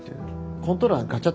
コントローラーガチャッ